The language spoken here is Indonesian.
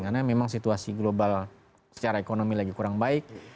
karena memang situasi global secara ekonomi lagi kurang baik